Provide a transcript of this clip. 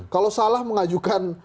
kalau salah mengajukan